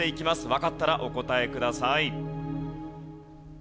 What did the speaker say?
わかったらお答えください。